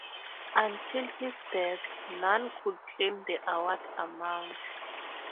Until his death none could claim the award amount.